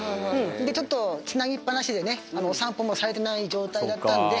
ちょっとつなぎっぱなしでね、お散歩もされてない状態だったんで。